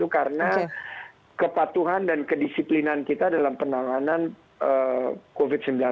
karena kepatuhan dan kedisiplinan kita dalam penanganan covid sembilan belas